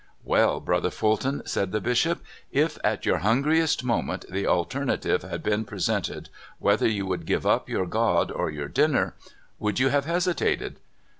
''Well, Brother Fulton," said the bishop, ''if at your hungriest moment the alternative had been 3 34 CALIFORNIA SKETCHES. presented whether you should give up your God or your dinner, would 3^ou have hesitated?"